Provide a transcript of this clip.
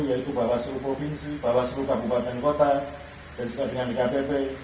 yaitu bapak suruh provinsi bapak suruh kabupaten kota dan juga dengan kpp